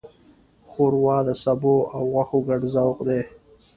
ښوروا د سبو او غوښو ګډ ذوق دی.